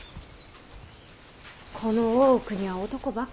この大奥には男ばかり。